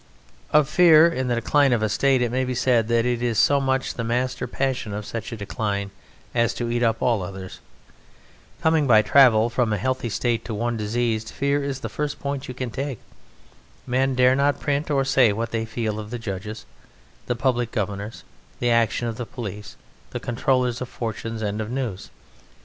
Of Fear in the decline of a State it may be said that it is so much the master passion of such decline as to eat up all others. Coming by travel from a healthy State to one diseased, Fear is the first point you take. Men dare not print or say what they feel of the judges, the public governors, the action of the police, the controllers of fortunes and of news.